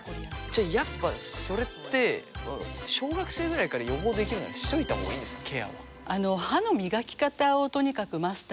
じゃあやっぱそれって小学生ぐらいから予防できるならしといた方がいいんですかケアは。